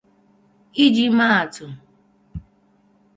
I ji maa atụ